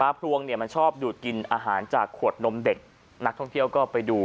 พรวงเนี่ยมันชอบดูดกินอาหารจากขวดนมเด็กนักท่องเที่ยวก็ไปดู